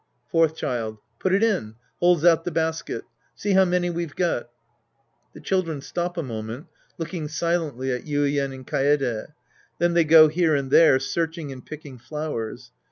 Fourth Child. Put it in. {Holds out the basket.) See how many we've got. {^he children stop a moment looking silently at Yuien and Kaede. Then they go liere and there, searching and picking flowers.